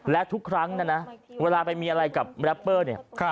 และทุกครั้งนะนะเวลาไปมีอะไรกับแรปเปอร์เนี่ย